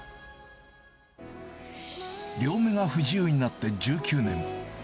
両目が不自由になって１９年。